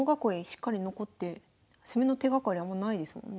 しっかり残って攻めの手がかりあんまないですもんね。